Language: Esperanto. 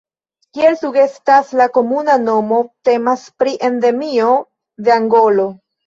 Kiel sugestas la komuna nomo, temas pri Endemio de Angolo.